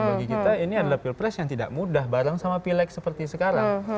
bagi kita ini adalah pilpres yang tidak mudah bareng sama pilek seperti sekarang